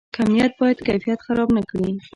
کمیت باید کیفیت خراب نکړي